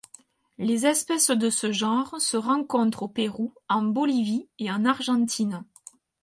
Les espèces de ce genre se rencontrent au Pérou, en Bolivie et en Argentine.